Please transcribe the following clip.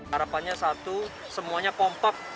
harapannya satu semuanya pompok